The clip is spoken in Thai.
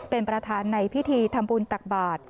เป็นประธานในพิธีทำบุญตักบาท